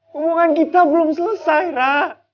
omongan kita belum selesai ra